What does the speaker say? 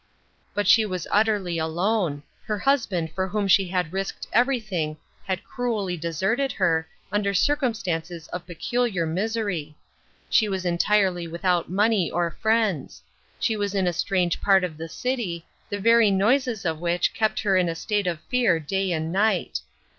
But she was utterly alone ; her husband for whom she had risked everything, had cruelly deserted her, under circumstances of peculiar misery. She was en tirely without money or friends ; she was in a strange part of the city, the very noises of which kept her in a state of fear day and night.